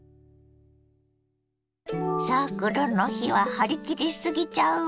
サークルの日は張り切り過ぎちゃうわね。